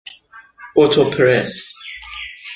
اتو پرس